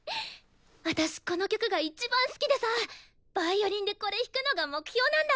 私この曲がいちばん好きでさヴァイオリンでこれ弾くのが目標なんだ！